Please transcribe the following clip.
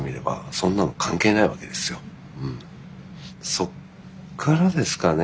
そっからですかね